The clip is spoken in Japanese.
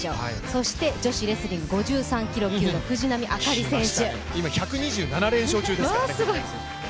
そして、女子レスリング５３キロ級の今、１２７連勝中ですから。